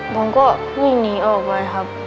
น้องก็หลุยหนีออกไปครับ